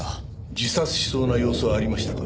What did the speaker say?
自殺しそうな様子はありましたか？